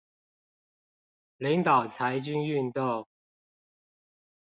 領導裁軍運動